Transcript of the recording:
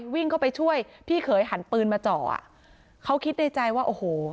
วิ่งเข้าไปช่วยพี่เขยหันปืนมาเจาะอ่ะเขาคิดในใจว่าโอ้โห